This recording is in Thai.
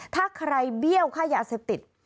ถ้าใครเบี้ยวค่ายาเสพติด